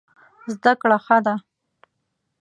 زده کړه ښه ده.